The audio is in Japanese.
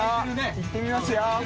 行ってみますよ。